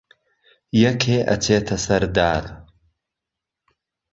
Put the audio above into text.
یەکێ ئەچێتە سەر دار